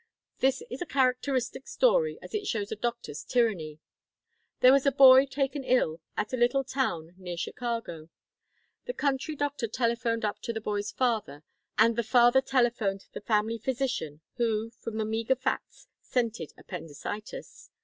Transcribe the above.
"This is a characteristic story, as it shows a doctor's tyranny. There was a boy taken ill at a little town near Chicago. The country doctor telephoned up to the boy's father, and the father telephoned the family physician who, from the meagre facts, scented appendicitis.